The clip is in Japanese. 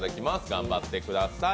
頑張ってください。